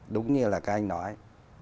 đúng như là các anh nói